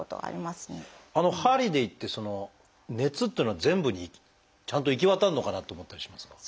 針でいってその熱っていうのは全部にちゃんと行き渡るのかなって思ったりしますが。